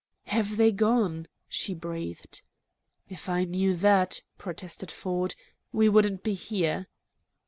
"Have they gone?" she breathed. "If I knew that," protested Ford, "we wouldn't be here!"